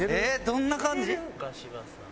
どんな感じ？